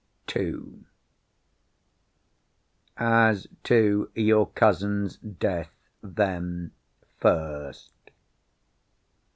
II As to your cousin's death, then, first.